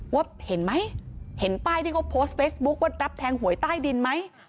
ว่าเห็นไหมเห็นป้ายที่เขาโพสต์เฟซบุ๊คว่ารับแทงหวยใต้ดินไหม